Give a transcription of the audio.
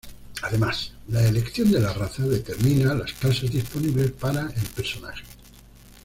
Además, la elección de la raza determina las clases disponibles para el personaje.